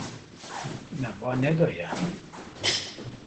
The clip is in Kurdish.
Me ba nedaye.